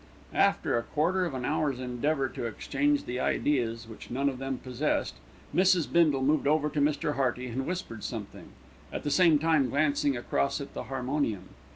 After a quarter of an hour's endeavour to exchange the ideas which none of them possessed, Mrs. Bindle moved over to Mr. Hearty and whispered something, at the same time glancing across at the harmonium.